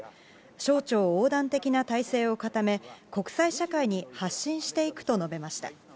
省庁横断的な体制を固め国際社会に発信していくと述べました。